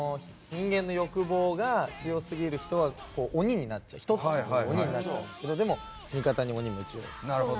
人間の欲望が強すぎる人はヒトツ鬼っていう鬼になっちゃうんですけどでも味方に鬼もいる。